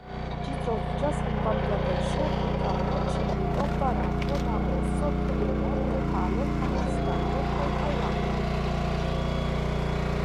Ĝi troviĝas en Bangladeŝo, Butano, Ĉinio, Barato, Laoso, Birmo, Nepalo, Pakistano kaj Tajlando.